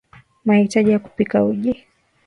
mahitaji ya kupika uji